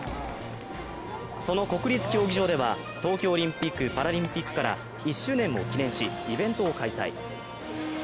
その国立競技場では東京オリンピック・パラリンピックから１周年を記念し、イベントを開催。